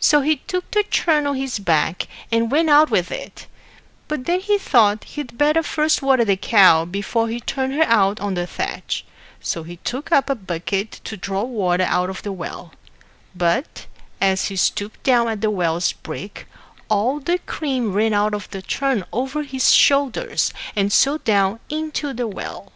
So he took the churn on his back, and went out with it; but then he thought he'd better first water the cow before he turned her out on the thatch; so he took up a bucket to draw water out of the well; but, as he stooped down at the well's brink, all the cream ran out of the churn over his shoulders, and so down into the well.